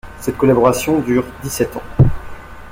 Cette collaboration dure dix-sept ans.